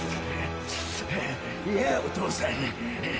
やあお父さん